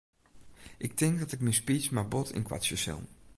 Ik tink dat ik myn speech mar bot ynkoartsje sil.